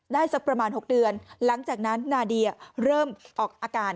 สักประมาณ๖เดือนหลังจากนั้นนาเดียเริ่มออกอาการ